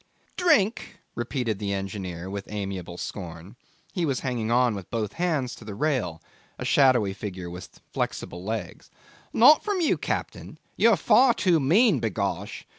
'Drink!' repeated the engineer with amiable scorn: he was hanging on with both hands to the rail, a shadowy figure with flexible legs. 'Not from you, captain. You're far too mean, b'gosh.